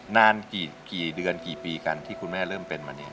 นานกี่เดือนกี่ปีกันที่คุณแม่เริ่มเป็นมาเนี่ย